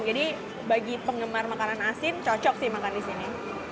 bagi penggemar makanan asin cocok sih makan di sini